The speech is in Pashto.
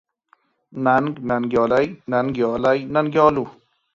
ننګ، ننګيالي ، ننګيالۍ، ننګيالو ،